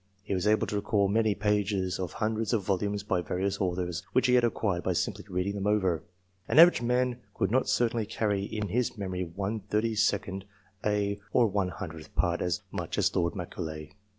He was able to recall many pages of hundreds of volumes by various authors, which he had acquired by simply reading them over. An average man could not certainly carry in his memory one thirty second ay, or one hundredth part as much as Lord Macaulay.